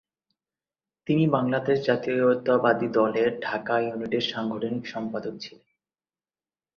তিনি বাংলাদেশ জাতীয়তাবাদী দলের ঢাকা ইউনিটের সাংগঠনিক সম্পাদক ছিলেন।